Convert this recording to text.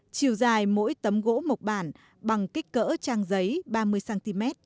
chiều dài mỗi tấm gỗ mộc bản bằng kích cỡ trang giấy ba mươi cm